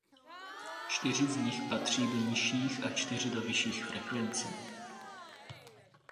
Čtyři z nich patří do nižších a čtyři do vyšších frekvencí.